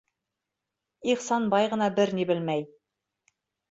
Ихсанбай ғына бер ни белмәй.